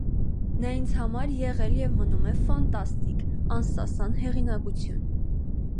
Նա ինձ համար եղել և մնում է ֆանտաստիկ, անսասան հեղինակություն։